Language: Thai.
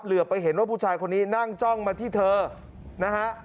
ไปเห็นว่าผู้ชายคนนี้นั่งจ้องมาที่เธอนะฮะ